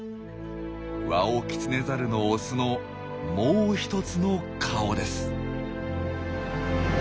ワオキツネザルのオスのもうひとつの顔です。